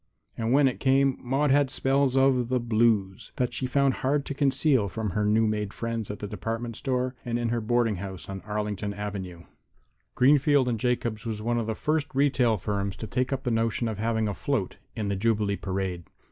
And when it came, Maude had spells of the "blues" that she found hard to conceal from her new made friends at the department store and in her boarding house on Arlington avenue. Greenfield & Jacobs was one of the first retail firms to take up the notion of having a float in the Jubilee parade.